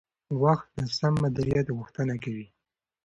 وخت د سم مدیریت غوښتنه کوي